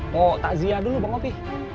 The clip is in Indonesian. mau takziah dulu bang ngopi